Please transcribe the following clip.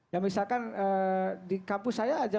ya misalkan di kampus saya aja